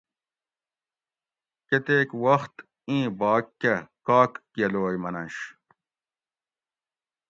کتیک وخت ایں باک کہ کاک گلوئ مننش